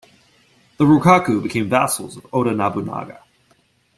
The Rokkaku became vassals of Oda Nobunaga.